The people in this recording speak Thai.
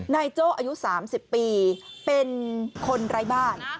โจ้อายุ๓๐ปีเป็นคนไร้บ้าน